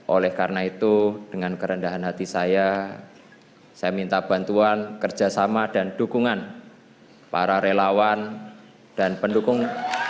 oleh karena itu dengan kerendahan hati saya saya minta bantuan kerjasama dan dukungan para relawan dan pendukung